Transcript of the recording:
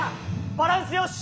バランスよし！